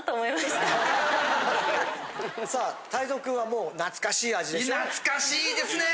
さあ太蔵君はもう懐かしい味でしたよね？